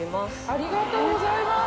ありがとうございます。